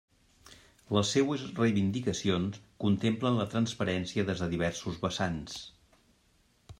Les seues reivindicacions contemplen la transparència des de diversos vessants.